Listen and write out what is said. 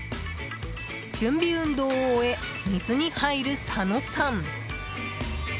準備運動を終え水に入る佐野さん。